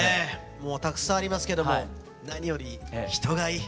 もうたくさんありますけども何より人がいい！